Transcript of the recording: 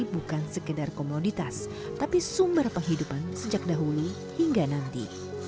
bukan sekedar komoditas tapi sumber penghidupan sejak dahulu hingga nanti